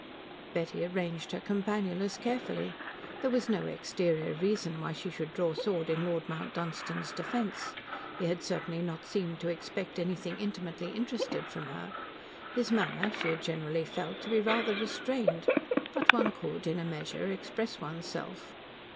Betty arranged her campanulas carefully. There was no exterior reason why she should draw sword in Lord Mount Dunstan's defence. He had certainly not seemed to expect anything intimately interested from her. His manner she had generally felt to be rather restrained. But one could, in a measure, express one's self.